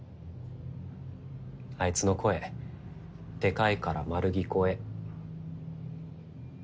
あいつの声でかいから丸聞こえ。